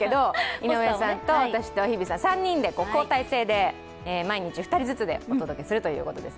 井上さんと私と日比さん、３人で交替制で毎日２人ずつでお送りするということです。